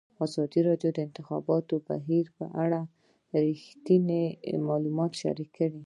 ازادي راډیو د د انتخاباتو بهیر په اړه رښتیني معلومات شریک کړي.